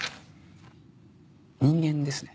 人間ですね。